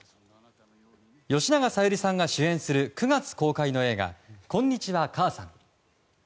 吉永小百合さんが主演する９月公開の映画「こんにちは、母さん」。